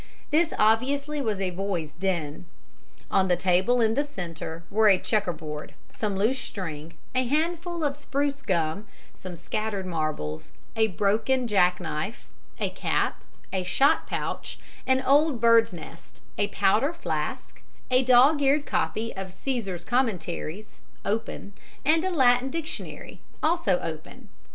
This obviously was a boy's "den." On the table in the centre were a checkerboard, some loose string, a handful of spruce gum, some scattered marbles, a broken jack knife, a cap, a shot pouch, an old bird's nest, a powder flask, a dog eared copy of "Cæsar's Commentaries," open, and a Latin dictionary, also open.